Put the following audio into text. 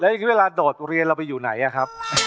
แล้วอย่างนี้เวลาโดดเรียนเราไปอยู่ไหนอะ